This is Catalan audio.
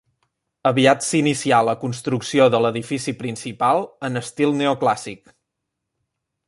Aviat s'inicià la construcció de l'edifici principal en estil neoclàssic.